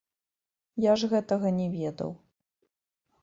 Я ж гэтага не ведаў.